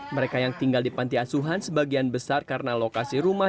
mereka yang tinggal di panti asuhan sebagian besar karena lokasi rumah